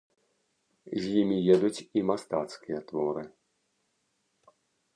З імі едуць і мастацкія творы.